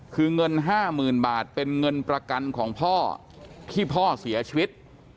คือเงิน๕๐๐๐บาทเป็นเงินประกันของพ่อที่พ่อเสียชีวิต